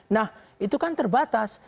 nah itu kan terbatas